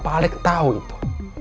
pak alek tau itu